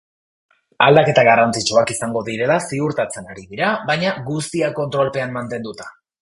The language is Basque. Aldaketa garrantzitsuak izango direla ziurtatzen ari dira, baina guztia kontrolpean mantenduta.